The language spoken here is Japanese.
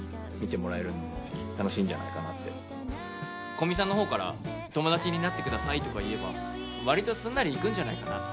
古見さんの方から「友達になって下さい」とか言えば割とすんなりいくんじゃないかなと。